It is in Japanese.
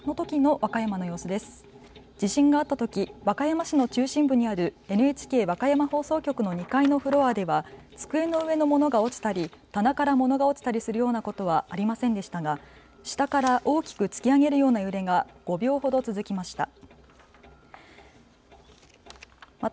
和歌山市の中心部にあるＮＨＫ和歌山放送局の２階のフロアでは机の上のものが落ちたり棚から物が落ちたりするようなことはありませんでしたが、下から大きく突き上げるような揺れが５秒ほど続きました。